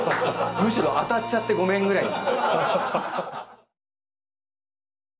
むしろ当たっちゃってごめんぐらいの。